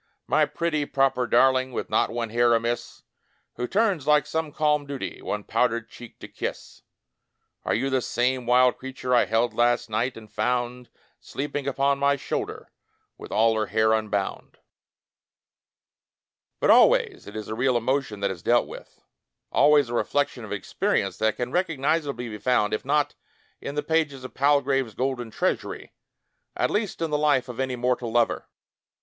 My pretty, proper darling, With not one hair amiss, Who turns, like some calm duty. One powdered cheek to kiss. Are you the same wUd creature I held last night, and found Sleeping upon my shoulder With all her hair unbound? But always it is ar real emotion that is dealt with — ^always a reflection of an experience that can recognizably be found, if not in the pages of Pal grave's "Golden Treasury", at least in the life of any mortal lover.